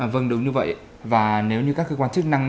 vâng đúng như vậy và nếu như các cơ quan chức năng